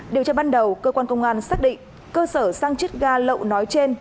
điều tra ban đầu cơ quan công an xác định cơ sở xăng chít ga lậu nói trên